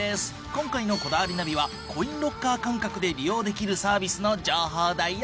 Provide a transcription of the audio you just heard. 今回の『こだわりナビ』はコインロッカー感覚で利用できるサービスの情報だよ！